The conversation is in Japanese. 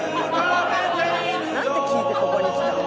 「なんて聞いてここに来たの？」